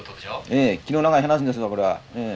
ええ気の長い話ですわこれはええ。